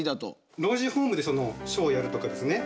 老人ホームでショーやるとかですね